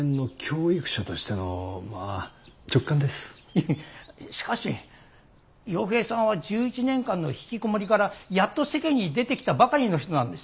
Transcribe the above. いやしかし陽平さんは１１年間のひきこもりからやっと世間に出てきたばかりの人なんです。